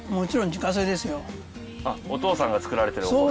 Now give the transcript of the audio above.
お父さんが作られてるお米？